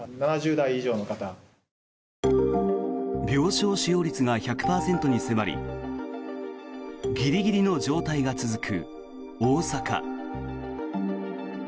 病床使用率が１００％に迫りギリギリの状態が続く大阪。